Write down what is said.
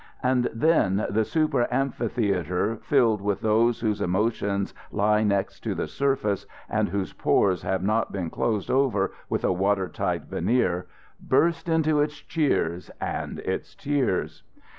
And then the super amphitheater, filled with those whose emotions lie next to the surface and whose pores have not been closed over with a water tight veneer, burst into its cheers and its tears.